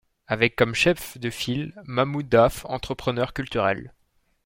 Avec comme chef de file Mamou Daffe, entrepreneur culturel.